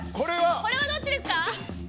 これはどっちですか。